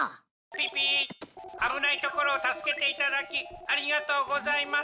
ピピー危ないところを助けていただきありがとうございます。